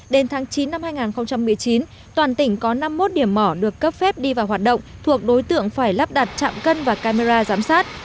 đến tháng chín năm hai nghìn một mươi chín toàn tỉnh có năm mươi một điểm mỏ được cấp phép đi vào hoạt động thuộc đối tượng phải lắp đặt chạm cân và camera giám sát